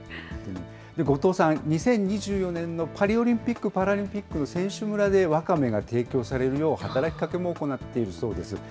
後藤さん、２０２４年のパリオリンピック・パラリンピックの選手村でわかめが提供されるよう、働きかけも行っているそうです。